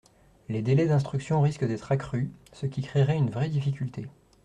Les délais d’instruction risquent d’être accrus, ce qui créerait une vraie difficulté.